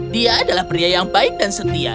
dia adalah pria yang baik dan setia